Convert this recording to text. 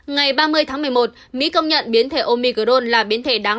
ngày ba mươi tháng một mươi một mỹ công nhận biến thể omicron là biến thể đáng